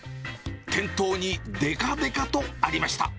店頭にでかでかとありました。